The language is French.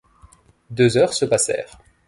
Deux heures se passèrent